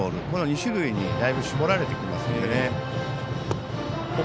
この２種類にだいぶ絞られてきますので。